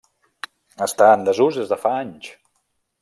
Està en desús des de fa anys.